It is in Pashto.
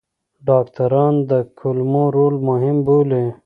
ډاکټران د کولمو رول مهم بولي.